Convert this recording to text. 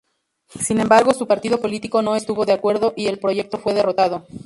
Sin embargo su partido político no estuvo de acuerdo y el proyecto fue derrotado.